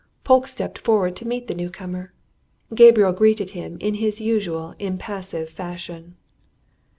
Polke stepped forward to meet the new comer: Gabriel greeted him in his usual impassive fashion.